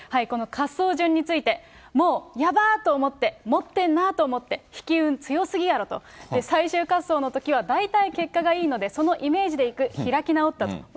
この滑走順について、もうやばーっと思って、持ってんなーと思って、引き運強すぎやろ！と最終滑走のときは大体、結果がいいので、そのイメージで行く、開き直ったと。